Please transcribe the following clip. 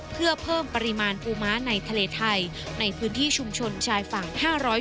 เพื่อเพิ่มปริมาณปูม้าในทะเลไทยในพื้นที่ชุมชนชายฝั่ง๕๐